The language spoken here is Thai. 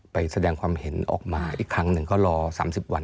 ไปแสดงความเห็นออกมาอีกครั้งหนึ่งก็รอ๓๐วัน